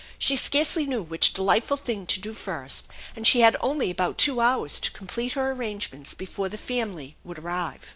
She scarcely knew which delightful thing to do first, and she had only about two hours to complete her arrangements before the family would arrive.